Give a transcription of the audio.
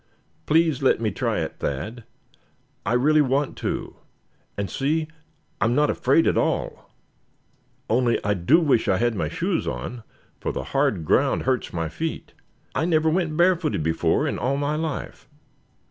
Please let me try it, Thad. I really want to; and see, I'm not afraid at all; only I do wish I had my shoes on, for the hard ground hurts my feet. I never went barefooted before in all my life."